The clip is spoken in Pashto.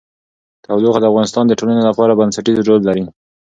تودوخه د افغانستان د ټولنې لپاره بنسټيز رول لري.